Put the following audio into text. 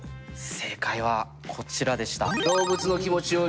正解はこちらでした。